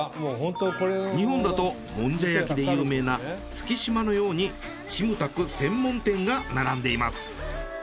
日本だともんじゃ焼きで有名な月島のようにチムタク専門店が並んでいます。